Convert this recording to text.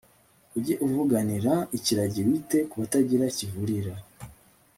ujye uvuganira ikiragi, wite ku batagira kivurira